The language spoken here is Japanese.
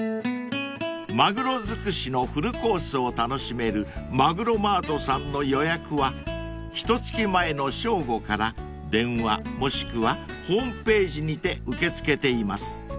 ［マグロ尽くしのフルコースを楽しめるマグロマートさんの予約はひとつき前の正午から電話もしくはホームページにて受け付けています］